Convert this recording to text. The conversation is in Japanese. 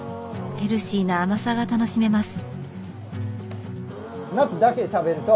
ヘルシーな甘さが楽しめます。